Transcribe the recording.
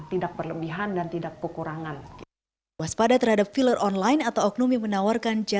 tidak berlebihan dan tidak kekurangan